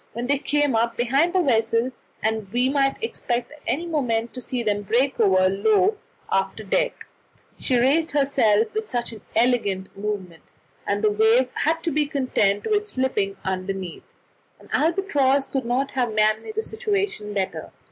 When they came up behind the vessel, and we might expect at any moment to see them break over the low after deck, she just raised herself with an elegant movement, and the wave had to be content with slipping underneath. An albatross could not have managed the situation better.